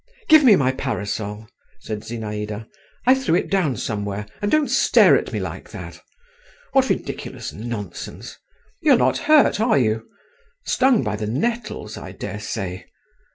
"Give me my parasol," said Zinaïda, "I threw it down somewhere, and don't stare at me like that … what ridiculous nonsense! you're not hurt, are you? stung by the nettles, I daresay?